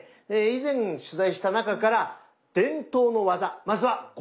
以前取材した中から伝統の技まずはご覧下さい。